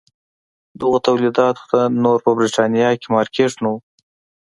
دغو تولیداتو ته نور په برېټانیا کې مارکېټ نه و.